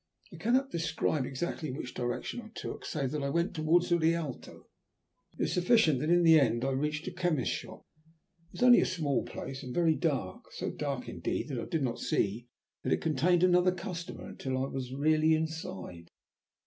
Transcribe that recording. I cannot describe exactly which direction I took, save that I went towards the Rialto. It is sufficient that in the end I reached a chemist's shop. It was only a small place, and very dark, so dark indeed that I did not see that it contained another customer until I was really inside.